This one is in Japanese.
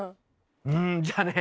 うんじゃあね